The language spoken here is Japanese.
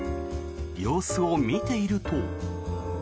様子を見ていると。